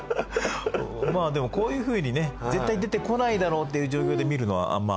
まあでもこういうふうにね絶対出てこないだろうっていう状況で見るのはまあ。